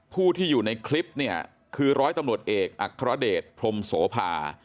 ผู้ที่อยู่ในคลิปเนี่ยคือร้อยตำรวจเอกอัครเดชพรมโสภา